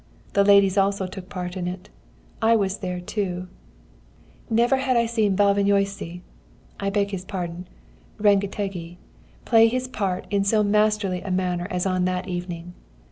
The ladies also took part in it. I was there too. Never had I seen Bálványossi (I beg his pardon, Rengetegi) play his part in so masterly a manner as on that evening.